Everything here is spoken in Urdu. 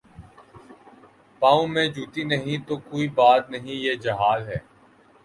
پاؤں میں جوتی نہیں تو کوئی بات نہیں یہ جہاد ہے۔